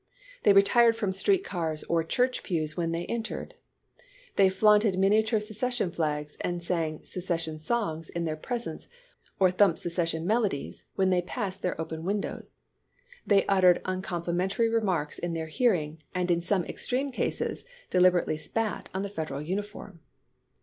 They retired from sti'eet cars or church pews when they entered. They flaunted miniature secession flags and sang secession songs in their presence or thumped secession melodies when they passed their open windows. They uttered uncompli mentary remarks in their hearing, and in some extreme cases deliberately spat on the Federal uniform.